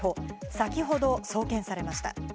先ほど送検されました。